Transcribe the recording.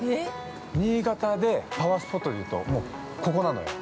新潟でパワスポと言うともう、ここなのよ。